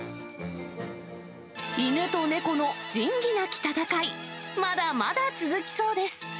犬と猫の仁義なき戦い、まだまだ続きそうです。